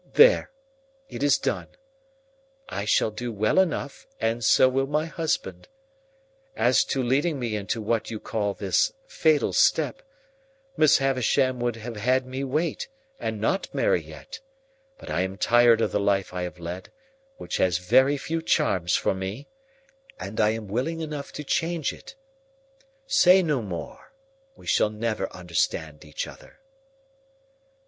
There! It is done. I shall do well enough, and so will my husband. As to leading me into what you call this fatal step, Miss Havisham would have had me wait, and not marry yet; but I am tired of the life I have led, which has very few charms for me, and I am willing enough to change it. Say no more. We shall never understand each other."